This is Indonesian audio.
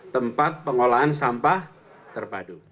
tempat pengelolaan sampah terpadu